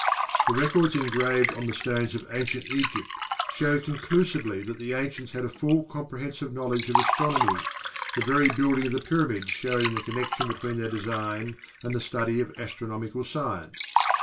The records engraved on the stones of Ancient Egypt show conclusively that the ancients had a full comprehensive knowledge of astronomy, the very building of the Pyramids showing the connection between their design and the study of astronomical science.